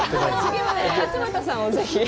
次は勝俣さんをぜひ。